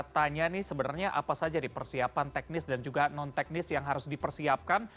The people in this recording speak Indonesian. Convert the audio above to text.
tanya nih sebenarnya apa saja persiapan teknis dan juga non teknis yang harus dipersiapkan